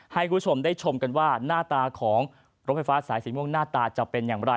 ให้คุณผู้ชมได้ชมกันว่าหน้าตาของรถไฟฟ้าสายสีม่วงหน้าตาจะเป็นอย่างไร